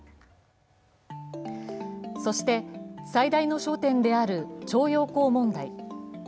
そして、最大の焦点である徴用工問題。